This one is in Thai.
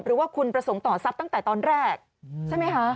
หรือว่าคุณประสงค์ต่อทรัพย์ตั้งแต่ตอนแรกใช่ไหมคะ